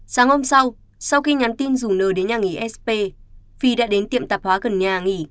sáng hôm sau sau khi nhắn tin dùng nờ đến nhà nghỉ sp phi đã đến tiệm tạp hóa gần nhà nghỉ